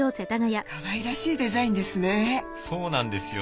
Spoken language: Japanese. かわいらしいデザインですね。